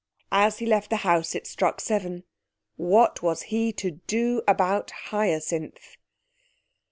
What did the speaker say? As he left the house it struck seven. What was he to do about Hyacinth?